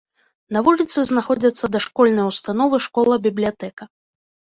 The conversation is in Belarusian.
На вуліцы знаходзяцца дашкольныя ўстановы, школа, бібліятэка.